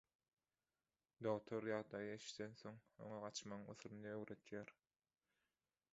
Dogtor ýagdaýy eşidensoň oňa gaçmagyň usulyny öwredýär.